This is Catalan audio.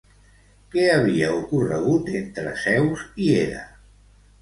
Què havia ocorregut entre Zeus i Hera?